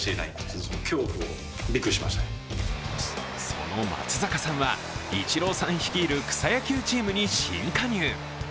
その松坂さんは、イチローさん率いる草野球チームに新加入。